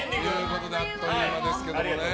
あっという間ですけどもね。